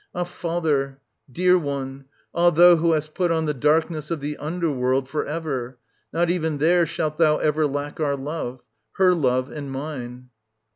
Ah, father, dear one, ah thou who hast put on the darkness of the under world for ever, not even there shalt thou ever lack our love, — her love and mine.